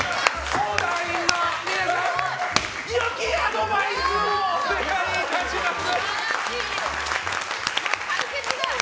相談員の皆さん良きアドバイスをお願いいたします！